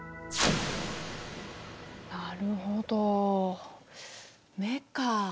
なるほど眼か。